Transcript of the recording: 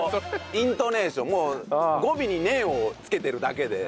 イントネーション語尾に「ねん」を付けてるだけで。